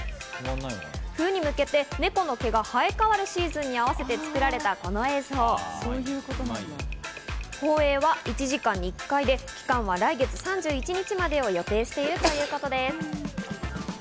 冬に向けて猫の毛が生え変わるシーズンに合わせて作られたこの映像、放映は１時間に１回で、期間は来月３１日までを予定しているということです。